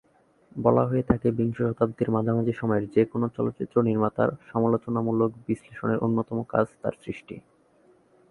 বলা হয়ে থাকে বিংশ শতাব্দীর মাঝামাঝি সময়ের যে কোন চলচ্চিত্র নির্মাতার সমালোচনামূলক বিশ্লেষণের অন্যতম কাজ তার সৃষ্টি।